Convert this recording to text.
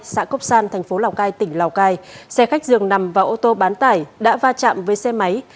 xã cốc san thành phố lào cai tỉnh lào cai xe khách dường nằm và ô tô bán tải đã va chạm với xe máy